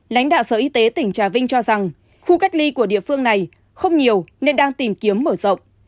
lãnh đạo sở y tế tỉnh trà vinh cho rằng khu cách ly của địa phương này không nhiều nên đang tìm kiếm mở rộng